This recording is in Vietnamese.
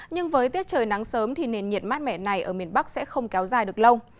nhưng với tiết trời nắng sớm thì nền nhiệt mát mẻ này ở miền bắc sẽ không kéo dài được lâu